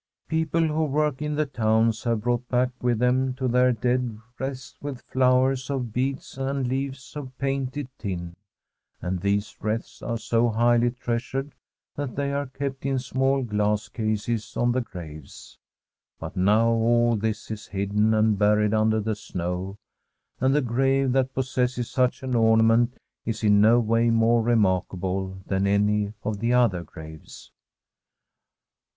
People who work in the towns have brought back with them to their dead wreaths with flow ers of beads and leaves of painted tin ; and these wreaths are so highly treasured that they are kept in small glass cases on the graves. But now all this is hidden and buried under the snow, and the grave that possesses such an ornament is in no way more remarkable than any of the other graves.